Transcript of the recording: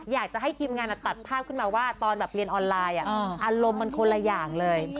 อยากจะให้ทีมงานตัดภาพขึ้นมาว่าตอนแบบเรียนออนไลน์อารมณ์มันคนละอย่างเลย